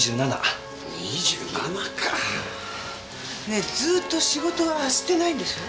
ねえずーっと仕事はしてないんでしょ？